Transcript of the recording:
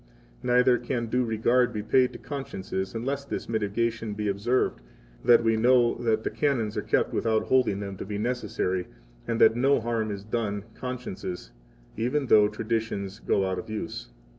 68 Neither can due regard be paid to consciences unless this mitigation be observed, that we know that the Canons are kept without holding them to be necessary, and that no harm is done consciences, even though traditions go out of use.